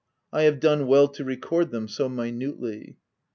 I have done well to record them so minutely.